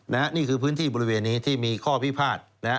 นี่คือพื้นที่บริเวณนี้ที่มีข้อพิพาทนะฮะ